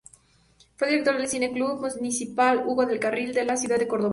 Fue director del Cine Club Municipal Hugo del Carril de la ciudad de Córdoba.